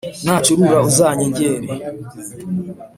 nacurura uzanyegere